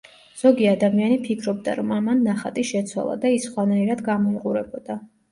ზოგი ადამიანი ფიქრობდა, რომ ამან ნახატი შეცვალა და ის სხვანაირად გამოიყურებოდა.